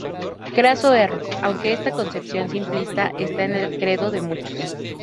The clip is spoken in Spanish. Craso error, aunque esta concepción simplista está en el credo de muchos.